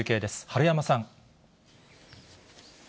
治山さん。